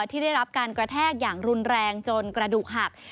ที่ได้รับการกระแทกอย่างรุนแรงจนกระดูกหัก